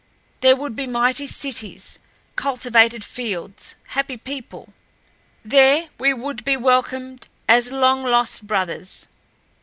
There would be mighty cities, cultivated fields, happy people. There we would be welcomed as long lost brothers.